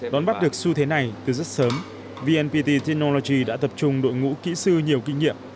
đón bắt được xu thế này từ rất sớm vnpt tennology đã tập trung đội ngũ kỹ sư nhiều kinh nghiệm